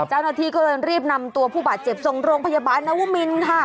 จะนาทีก็เลยเรียบนำตัวผู้บาดเจ็บทรงโรงพยาบาลนาวมินค่ะ